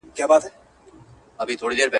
سل ځله یې زموږ پر کچکولونو زهر وشیندل.